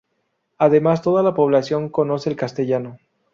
Además, toda la población conoce el castellano.